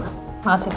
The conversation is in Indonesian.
terima kasih pak